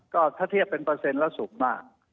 ก็ถ้าเทียบเป็นเปอร์เซ็นต์แล้วสูงมาก